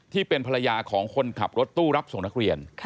ที่เป็นภรรยาของคนขับรถตู้รับส่งนักเรียน